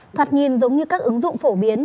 thoạt nhìn giống như các ứng dụng phổ biến